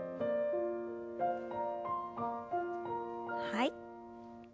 はい。